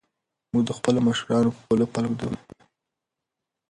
موږ د خپلو مشرانو په پله پل ږدو.